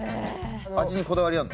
味にこだわりあるの？